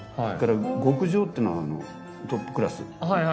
「極上」ってのはトップクラス。